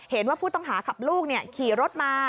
เห็นว่าผู้ต้องหากับลูกขี่รถมา